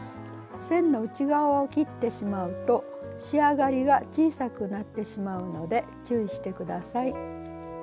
線の内側を切ってしまうと仕上がりが小さくなってしまうので注意して下さい。